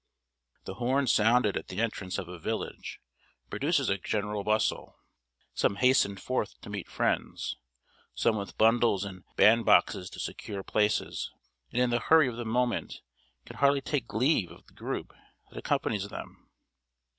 The horn sounded at the entrance of a village, produces a general bustle. Some hasten forth to meet friends; some with bundles and bandboxes to secure places, and in the hurry of the moment can hardly take leave of the group that accompanies them.